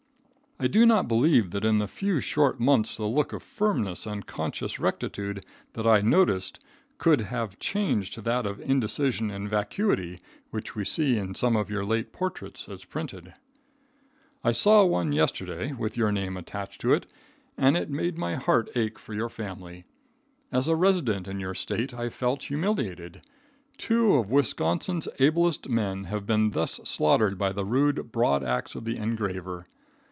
I do not believe that in a few short months the look of firmness and conscious rectitude that I noticed could have changed to that of indecision and vacuity which we see in some of your late portraits as printed. [Illustration: A NOSE ON THE BIAS.] I saw one yesterday, with your name attached to it, and it made my heart ache for your family. As a resident in your State I felt humiliated. Two of Wisconsin's ablest men have been thus slaughtered by the rude broad axe of the engraver.